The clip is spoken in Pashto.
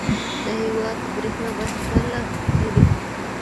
د هېواد برېښنا باید خپله تولید کړو.